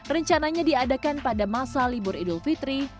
rencananya diadakan pada masa libur idul fitri